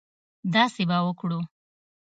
داسې به وکړو.